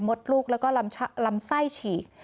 ดลูกแล้วก็ลำไส้ฉีก